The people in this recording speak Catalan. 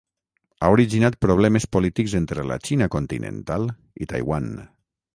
Ha originat problemes polítics entre la Xina continental i Taiwan.